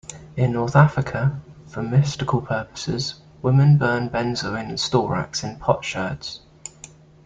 In North Africa, for mystical purposes, women burn benzoin and storax in potsherds.